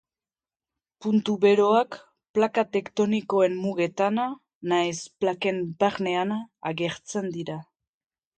Puntu beroak plaka tektonikoen mugetan nahiz plaken barnean agertzen dira.